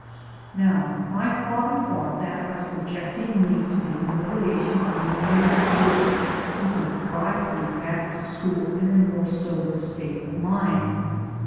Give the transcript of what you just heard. Now my father thought that by subjecting me to the humiliation of menial work, he could drive me back to school in a more sober state of mind.